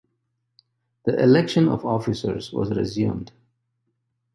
The election of Officers was resumed.